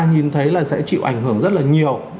nhìn thấy là sẽ chịu ảnh hưởng rất là nhiều